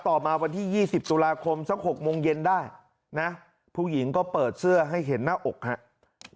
ต่อมาวันที่๒๐ตุลาคมสัก๖โมงเย็นได้นะผู้หญิงก็เปิดเสื้อให้เห็นหน้าอกครับ